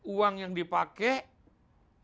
uang yang dipakai